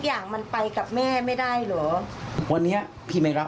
อาการชัดเลยนะคะหมอปลา